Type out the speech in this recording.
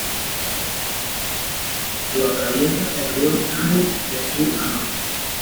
Lo atraviesa el río Cares de sur a norte.